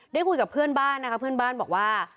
ได้คุยกับเพื่อนบ้านนะคะเพื่อนบ้านบอกว่า